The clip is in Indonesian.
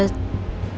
apa yang terjadi